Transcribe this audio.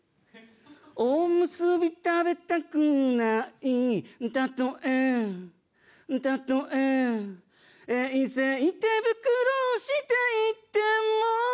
「おむすび食べたくない」「たとえたとえ」「衛生手袋をしていても」